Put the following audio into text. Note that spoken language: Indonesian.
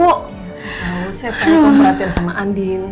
iya saya tahu saya terlalu perhatian sama andin